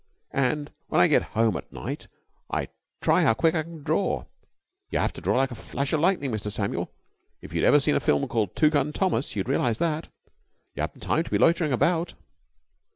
When I get home at night I try how quick I can draw. You have to draw like a flash of lightning, Mr. Samuel. If you'd ever seen a film called 'Two Gun Thomas' you'd realise that. You haven't time to be loitering about."